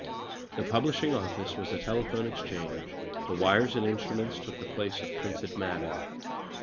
The publishing office was a telephone exchange; the wires and instruments took the place of printed matter.